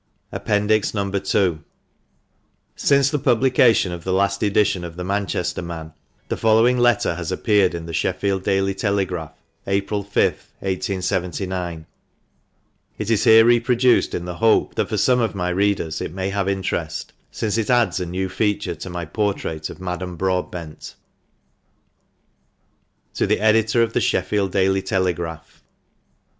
APPENDIX No. II. SINCE the publication of the last edition of "The Manchester Man," the following letter has appeared in the Sheffield Daily Telegraph, April 5th, 1879. It is here reproduced in the hope that for some of my readers it may have interest, since it adds a new feature to my portrait of Madame Broadbent :— To the Editor of the "Sheffield Daily Telegraph."